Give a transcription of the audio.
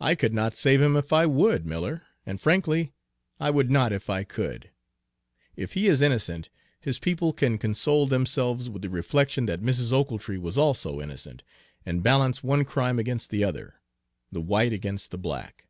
I could not save him if I would, Miller, and frankly, I would not if I could. If he is innocent, his people can console themselves with the reflection that Mrs. Ochiltree was also innocent, and balance one crime against the other, the white against the black.